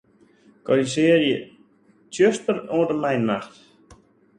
Korrizjearje 'tsjuster' oant en mei 'nacht'.